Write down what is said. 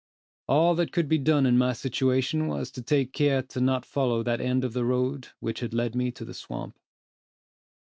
All that could be done in my situation, was to take care not to follow that end of the road which had led me to the swamp.